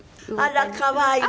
あら可愛い。